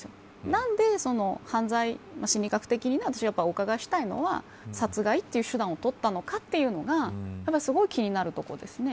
なので心理学的にお伺いしたいのは殺害殺害という手段を取ったのかというのがすごい気になるところですね。